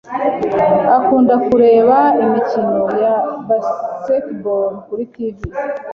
Akunda kureba imikino ya baseball kuri TV